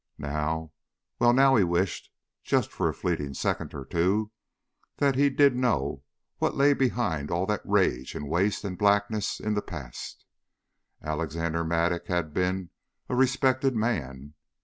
Now, well, now he wished for just a fleeting second or two that he did know what lay behind all that rage and waste and blackness in the past. Alexander Mattock had been a respected man.